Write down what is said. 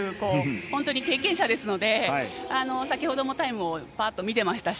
本当に経験者ですので先ほどもタイムを見ていましたし。